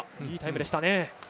いいタイムでしたね。